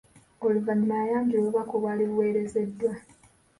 Oluvanyuma yayanjula obubaka obwali buweerezeddwa.